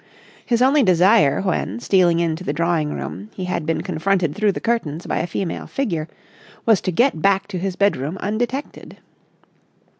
His only desire when, stealing into the drawing room he had been confronted through the curtains by a female figure, was to get back to his bedroom undetected.